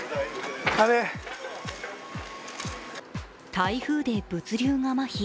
台風で物流がまひ。